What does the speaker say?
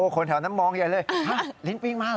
คนแถวนั้นมองใหญ่เลยลิ้นปิ้งมาเห